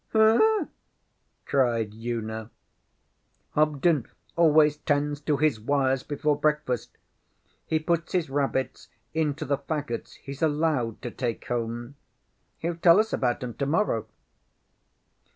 ŌĆśHuhh! ŌĆÖ cried Una. ŌĆśHobden always ŌĆśtends to his wires before breakfast. He puts his rabbits into the faggots heŌĆÖs allowed to take home. HeŌĆÖll tell us about ŌĆśem tomorrow.